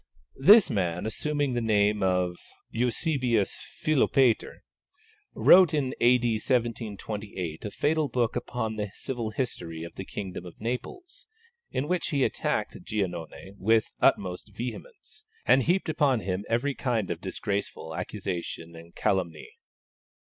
This man, assuming the name of Eusebius Philopater, wrote in A.D. 1728 a fatal book upon the civil history of the kingdom of Naples, in which he attacked Giannone with the utmost vehemence, and heaped upon him every kind of disgraceful accusation and calumny.